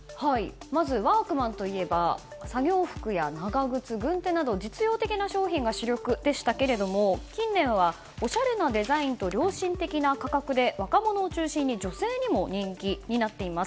まずワークマンといえば作業服や長靴、軍手など実用的な商品が主力でしたが近年はおしゃれなデザインと良心的な価格で若者を中心に女性にも人気になっています。